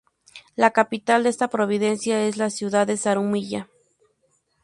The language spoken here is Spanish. La capital de esta provincia es la ciudad de Zarumilla.